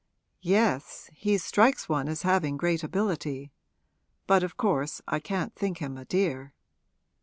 'Yes; he strikes one as having great ability. But of course I can't think him a dear.'